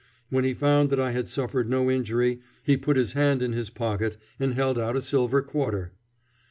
When he found that I had suffered no injury, he put his hand in his pocket and held out a silver quarter.